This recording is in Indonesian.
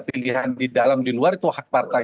pilihan di dalam di luar itu hak partai